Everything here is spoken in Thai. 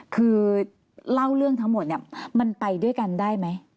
คือเล่าเรื่องทั้งหมดเนี่ยมันไปด้วยกันได้ไหม